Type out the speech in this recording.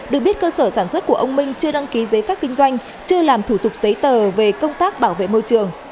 được biết cơ sở sản xuất của ông minh chưa đăng ký giấy phép kinh doanh chưa làm thủ tục giấy tờ về công tác bảo vệ môi trường